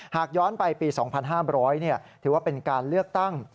หากย้อนไปปี๒๕๐๐ถือว่าเป็นการเลือกตั้ง